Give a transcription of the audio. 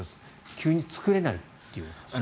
急に作れないということですね。